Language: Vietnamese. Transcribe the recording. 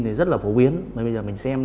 thì rất là phổ biến bây giờ mình xem